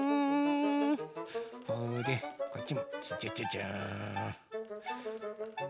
これでこっちもチャチャチャチャーン。